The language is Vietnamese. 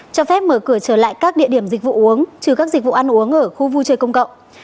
cho phép mở cửa trở lại các địa điểm dịch vụ uống trừ các dịch vụ ăn uống ở khu vui chơi công cộng